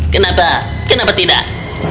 kenapa kenapa tidak